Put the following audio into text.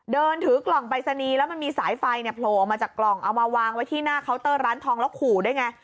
เดินถือกล่องปรายศนีย์แล้วมันมีสายไฟเนี่ยโผล่ออกมาจากกล่องเอามาวางไว้ที่หน้าเคาน์เตอร์ร้านทองแล้วขู่ด้วยไง